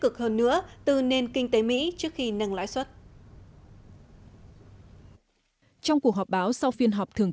cực hơn nữa từ nền kinh tế mỹ trước khi nâng lãi suất trong cuộc họp báo sau phiên họp thường